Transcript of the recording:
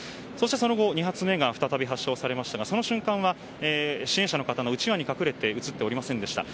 その後２発目が再び発射されますがその瞬間は支援者の方のうちわに隠れて映っておりませんでした。